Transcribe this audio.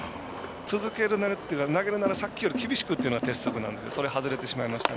続けるなら、投げるならさっきより厳しくというのが鉄則なので、それが外れてしまいました。